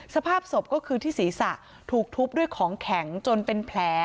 สภาพศพก็คือที่ศีรษะถูกทุบด้วยของแข็งจนเป็นแผล